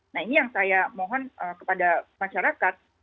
nah ini yang saya mohon kepada masyarakat